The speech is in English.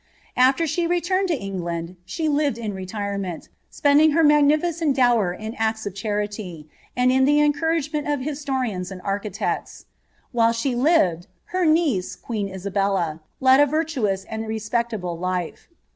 After she returned lo England she lived in reiiremeat, spending bit magniliceni dower in acts of charity, and in the encouragemeat of U^ lorians and architects. While she lived, her niece, queen k&bdb, M ■ virtuoua and respectable life.